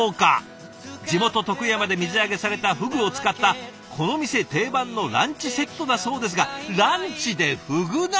地元徳山で水揚げされたふぐを使ったこの店定番のランチセットだそうですがランチでふぐ鍋！